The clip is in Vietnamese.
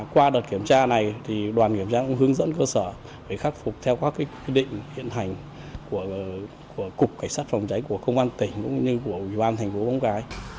qua đợt kiểm tra này đoàn kiểm tra cũng hướng dẫn cơ sở để khắc phục theo các quy định hiện hành của cục cảnh sát phòng cháy của công an tỉnh cũng như của ủy ban tp mong cái